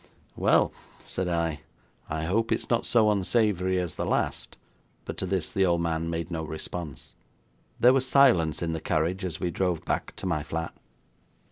'Well,' said I, 'I hope it is not so unsavoury as the last.' But to this the old man made no response. There was silence in the carriage as we drove back to my flat.